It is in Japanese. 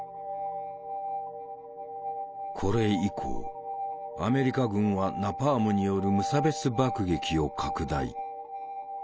これ以降アメリカ軍はナパームによる無差別爆撃を拡大。